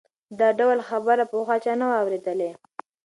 دا ډول خبره پخوا چا نه وه اورېدلې.